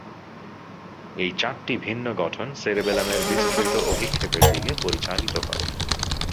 এই চারটি ভিন্ন গঠন সেরেবেলামের বিস্তৃত অভিক্ষেপের দিকে পরিচালিত করে।